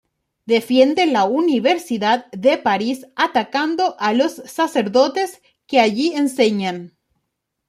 Defiende la universidad de París atacando a los sacerdotes que allí enseñan.